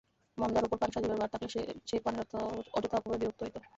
মন্দার উপর পান সাজিবার ভার থাকাতে সে পানের অযথা অপব্যয়ে বিরক্ত হইত।